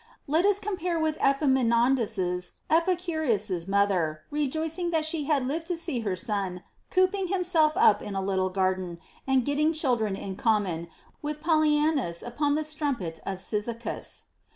Let us then compare with Epaminondas's Epicurus's mother, rejoicing that she had lived to see her son cooping himself up in a little garden, and getting children in com ACCORDING TO EPICURUS. 183 mon with Polyaenus upon the strumpet of Cyzicus.